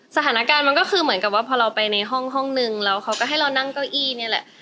สถานการณ์มันก็คือเหมือนกับว่าพอเราไปในห้องนึงแล้วเขาก็ให้เรานั่งเก้าอี้นี่แหละ